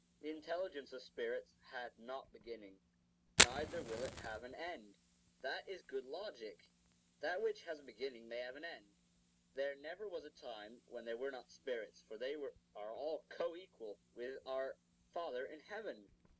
The intelligence of spirits had not beginning, neither will it have an end. That is good logic. That which has a beginning may have an end. There never was a time when there were not spirits; for they are co equal [co eternal] with our Father in heaven.